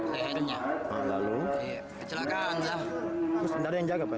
lalu apa yang dia jaga